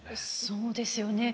そうですよね。